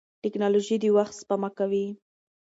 ټکنالوژي د وخت سپما کوي.